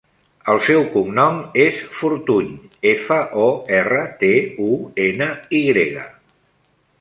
El seu cognom és Fortuny: efa, o, erra, te, u, ena, i grega.